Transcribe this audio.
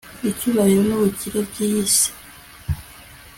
icyubahiro n'ubukire by'iyi si